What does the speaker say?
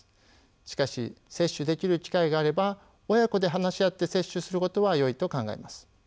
しかし接種できる機会があれば親子で話し合って接種することはよいと考えます。